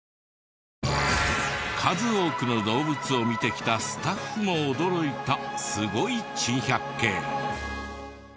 数多くの動物を見てきたスタッフも驚いたすごい珍百景。